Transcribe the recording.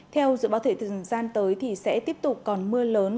theo dự báo thể thời gian tới thì sẽ tiếp tục còn mưa lớn